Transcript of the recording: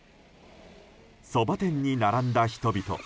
そば店に並んだ人々。